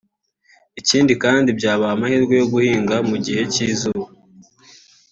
ikindi kandi byabaha n’amahirwe yo guhinga mu gihe cy’izuba